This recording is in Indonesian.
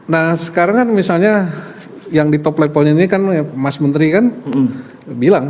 nah sekarang kan misalnya yang di top lappoint ini kan mas menteri kan bilang